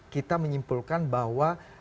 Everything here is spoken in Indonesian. kita menyimpulkan bahwa